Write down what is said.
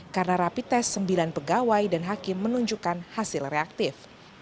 karena rapi tes sembilan pegawai dan hakim menunjukkan hasil reaktif